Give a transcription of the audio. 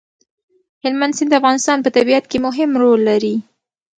هلمند سیند د افغانستان په طبیعت کې مهم رول لري.